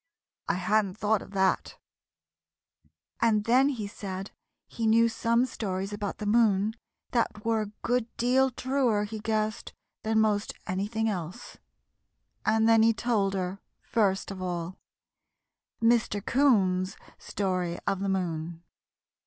I hadn't thought of that," and then he said he knew some stories about the moon that were a good deal truer, he guessed, than most anything else. And then he told her, first of all, MR. 'COON'S STORY OF THE MOON.